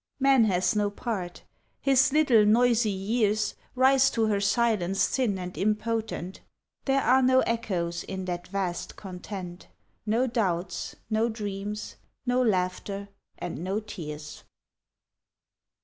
Man has no part his little, noisy years Rise to her silence thin and impotent There are no echoes in that vast content, No doubts, no dreams, no laughter and no tears!